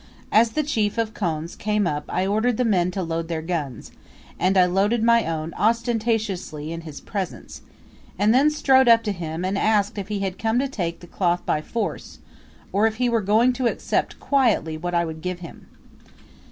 As the chief of Khonze came up I ordered the men to load their guns, and I loaded my own ostentatiously in his presence, and then strode up to him, and asked if he had come to take the cloth by force, or if he were going to accept quietly what I would give him.